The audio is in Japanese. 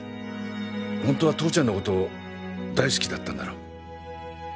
ほんとは父ちゃんのこと大好きだったんだろ？